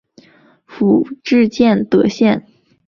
府治建德县。